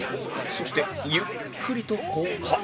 そしてゆっくりと降下